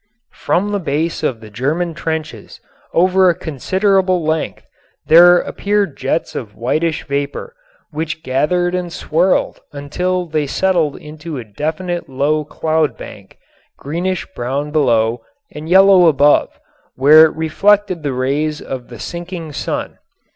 From the base of the German trenches over a considerable length there appeared jets of whitish vapor, which gathered and swirled until they settled into a definite low cloud bank, greenish brown below and yellow above, where it reflected the rays of the sinking sun.